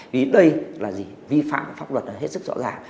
vì đây là gì vi phạm pháp luật là hết sức rõ ràng